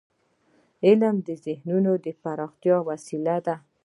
علم د ذهنونو د پراختیا وسیله ده.